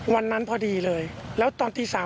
วันนั้นพอดีเลยแล้วตอนตี๓